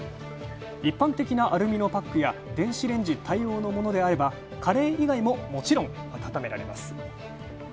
一般的なアルミのパックや電子レンジ対応のものであればカレー以外ももちろん温められます。